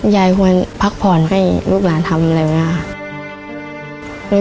ยายควรพักผ่อนให้ลูกหลานทำอะไรไหม